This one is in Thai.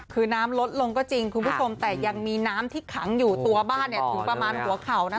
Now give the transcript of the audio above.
คือน้ำลดลงก็จริงคุณผู้ชมแต่ยังมีน้ำที่ขังอยู่ตัวบ้านถึงประมาณหัวเข่า